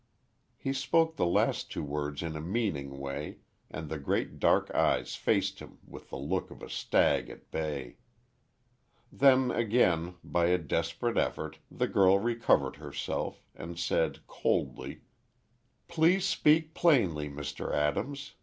He spoke the last two words in a meaning way, and the great dark eyes faced him with the look of a stag at bay. Then again, by a desperate effort the girl recovered herself, and said, coldly, "Please speak plainly, Mr. Adams.